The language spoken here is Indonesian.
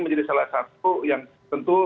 menjadi salah satu yang tentu